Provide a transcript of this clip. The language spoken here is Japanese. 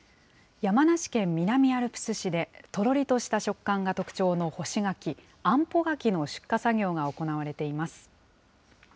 山梨県南アルプス市で、とろりとした食感が特徴の干し柿、あんぽ柿の出荷作業が行われています。